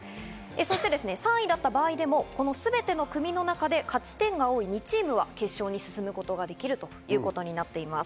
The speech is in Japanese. そして３位だった場合でも、この全ての組の中で勝ち点が多い２チームは決勝に進むことができるということになっています。